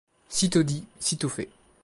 Sitôt dit, sitôt fait.